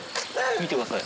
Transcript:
見てください。